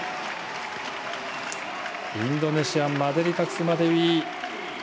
インドネシアマデリタクスマデウィ